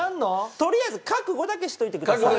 とりあえず覚悟だけしといてください。